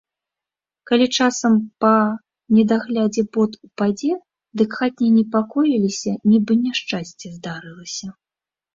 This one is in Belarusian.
Калі часам, па недаглядзе, бот упадзе, дык хатнія непакоіліся, нібы няшчасце здарылася.